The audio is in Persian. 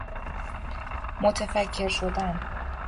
کتفکر شدن